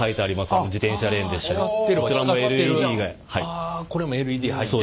あこれもＬＥＤ入って。